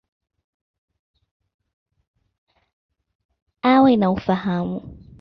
Awe na ufahamu.